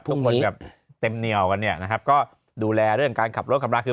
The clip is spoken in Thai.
ทุกคนเต็มเหนียวกันนะครับก็ดูแลเรื่องการขับรถขับราคืน